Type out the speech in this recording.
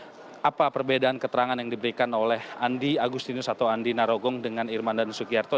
dapat saya informasikan tadi budi terkait dengan apa perbedaan keterangan yang diberikan oleh andi agustinus atau andi narogong dengan firman dan subagyong